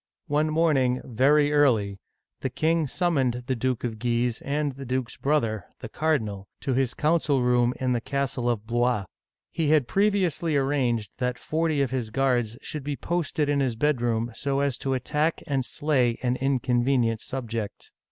One morning, very early, the king summoned the Duke of Guise and the duke's brother, the cardinal, to his coun cil room in the castle of Blois. He had previously ar ranged that forty of his guards should be posted in his bedroom so as to attack and slay an inconvenient subject.